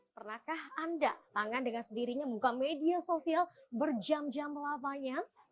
pernahkah anda tangan dengan sendirinya membuka media sosial berjam jam lamanya